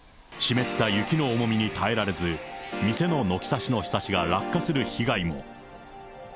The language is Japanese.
湿った雪の重みに耐えられず、店の軒先のひさしが落下する被害も。